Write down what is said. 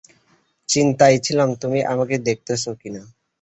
চিন্তায় ছিলাম, তুমি আমাকে দেখেছ কিনা।